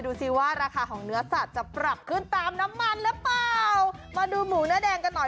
ดูสิว่าราคาของเนื้อสัตว์จะปรับขึ้นตามน้ำมันหรือเปล่ามาดูหมูเนื้อแดงกันหน่อย